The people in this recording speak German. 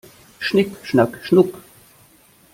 Schnick schnack schnuck!